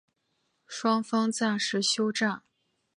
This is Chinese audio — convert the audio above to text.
双方暂时休战。